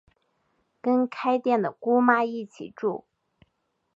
跟开店的姑妈一起住